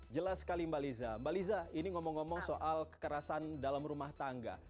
jelas sekali mbak liza mbak liza ini ngomong ngomong soal kekerasan dalam rumah tangga